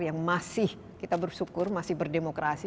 yang masih kita bersyukur masih berdemokrasi